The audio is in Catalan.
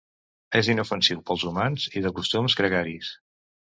És inofensiu per als humans i de costums gregaris.